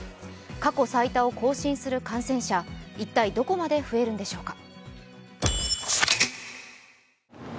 過去最多を更新する感染者一体、どこまで増えるんでしょうか。